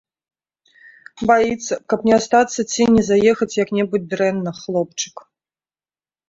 Баіцца, каб не астацца ці не заехаць як-небудзь дрэнна, хлопчык.